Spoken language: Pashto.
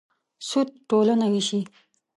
سود ټولنه وېشي.